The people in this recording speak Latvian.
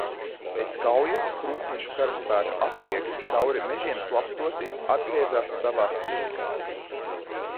Pēc kaujas krustnešu karaspēka atliekas, cauri mežiem slapstoties, atgriezās savās pilīs.